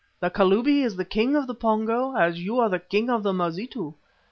The Kalubi is the King of the Pongo as you are the King of the Mazitu.